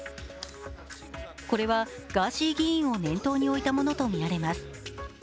これはガーシー議員を念頭に置いたものとみられます。